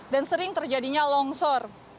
dan sering terjadinya longsor